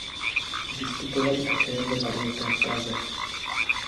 Vystupovaly také ve Varieté v Praze.